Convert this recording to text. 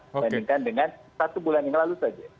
dibandingkan dengan satu bulan yang lalu saja